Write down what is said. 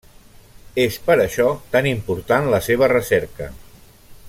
És per això tan important la seva recerca.